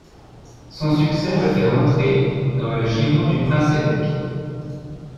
Son succès le fait entrer dans le giron du Prince-évêque.